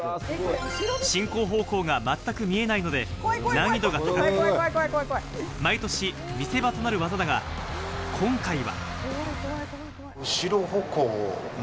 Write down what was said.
進行方向が全く見えないので難易度が高く、毎年、見せ場となる技だが、今回は。